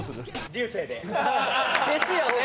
流星で。ですよね！